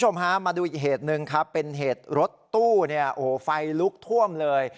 มาดูอีกเหตุหนึ่งเหตุรถตู้ไฟลุกถ้วมเลย